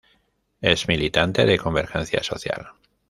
Es militante de Convergencia Social.